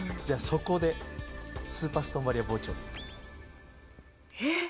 そこでスーパーストーンバリア包丁ええ？